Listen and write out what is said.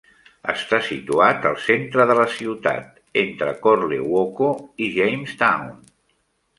Està situat al centre de la ciutat entre Korle Woko i Jamestown.